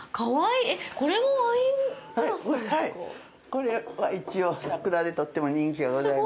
これは一応、桜でとっても人気がございます。